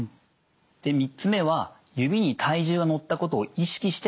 で３つ目は指に体重がのったことを意識して歩く。